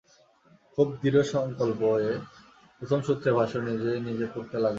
খুব দৃঢ়সঙ্কল্প হয়ে প্রথম সূত্রের ভাষ্য নিজে নিজে পড়তে লাগলুম।